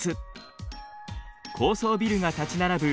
高層ビルが立ち並ぶ